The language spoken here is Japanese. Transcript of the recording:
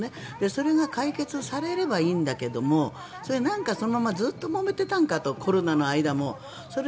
それが解決されればいいんだけどなんかそのままずっともめていたのかとコロナの間も。